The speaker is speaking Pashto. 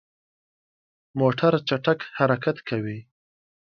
موټر چټک حرکت کوي.